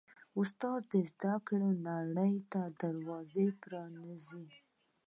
استاد د زده کړو نړۍ ته دروازه پرانیزي.